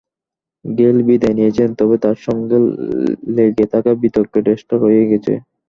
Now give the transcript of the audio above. Gayle বিদায় নিয়েছেন, তবে তাঁর সঙ্গে লেগে থাকা বিতর্কের রেশটা রয়ে গেছে।